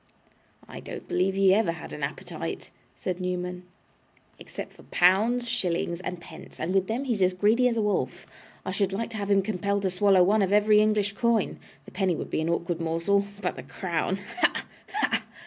'I don't believe he ever had an appetite,' said Newman, 'except for pounds, shillings, and pence, and with them he's as greedy as a wolf. I should like to have him compelled to swallow one of every English coin. The penny would be an awkward morsel but the crown ha! ha!